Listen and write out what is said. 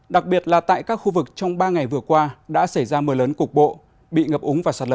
đặc biệt là tại các khu vực trong ba ngày vừa qua đã xảy ra mưa lớn cục bộ bị ngập úng và sạt lở